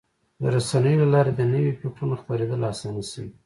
د رسنیو له لارې د نوي فکرونو خپرېدل اسانه شوي.